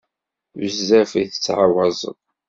Bezzaf i tettɛawazeḍ.